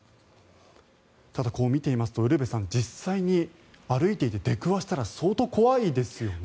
ただ、見ていますとウルヴェさん、実際に歩いていて出くわしたら相当怖いですよね。